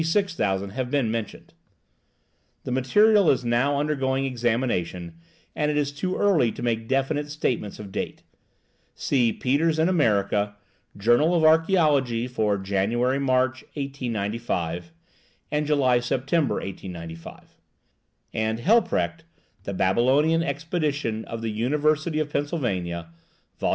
6000 have been mentioned); the material is now undergoing examination, and it is too early to make definite statements of date. See Peters in American Journal of Archaeology for January March, 1895, and July September, 1895; and Hilprecht, 'The Babylonian Expedition of the University of Pennsylvania,' Vol.